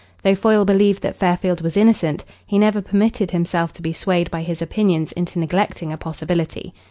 Though Foyle believed that Fairfield was innocent, he never permitted himself to be swayed by his opinions into neglecting a possibility.